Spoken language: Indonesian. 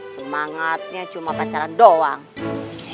semangatnya cuma pacaran doang